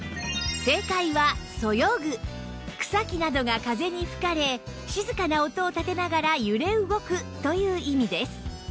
草木などが風に吹かれ静かな音を立てながら揺れ動くという意味です